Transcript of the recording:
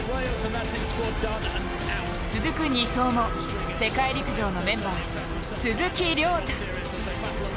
続く２走も世界陸上のメンバー鈴木涼太。